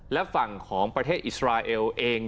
และฝั่งของประเทศอิสราเอลเอง